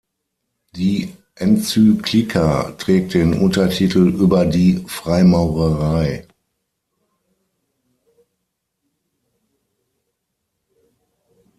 Die Enzyklika trägt den Untertitel "über die Freimaurerei".